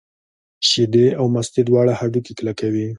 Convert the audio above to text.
شیدې او مستې دواړه هډوکي کلک کوي.